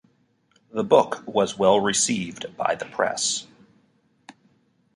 The book was well received by the press.